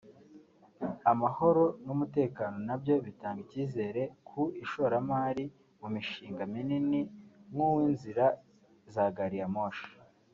Amahoro n’ umutekano nabyo bitanga icyizere ku ishoramari mu mishinga minini nkuw’ inzira za gari ya moshi